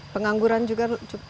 pengangguran juga cukup lebih